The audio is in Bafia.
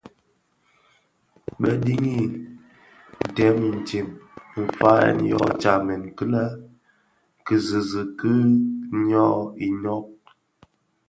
Bë dhini dèm intsem nfayèn yō tsamèn kilè kizizig kè йyō inōk.